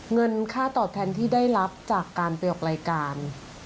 เงินค่าตอบแทนที่ได้รับจากการไปออกรายการ